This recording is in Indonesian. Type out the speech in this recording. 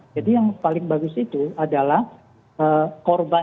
jadi yang paling bagus itu adalah korban